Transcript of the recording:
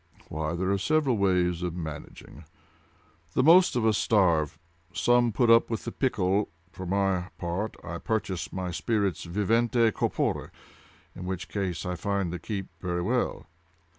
"Why, there are several ways of managing. The most of us starve: some put up with the pickle: for my part I purchase my spirits vivente corpore, in which case I find they keep very well."